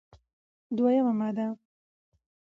دوه یمه ماده: